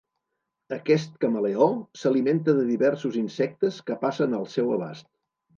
Aquest camaleó s'alimenta de diversos insectes que passen al seu abast.